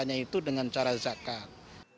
hanya itu dengan cara zakat